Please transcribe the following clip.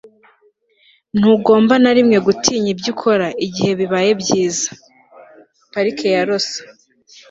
ntugomba na rimwe gutinya ibyo ukora igihe bibaye byiza. parike ya rosa